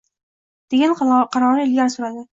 degan qarorni ilgari suradi.